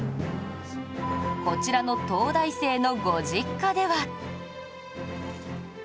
こちらの東大生のご実家では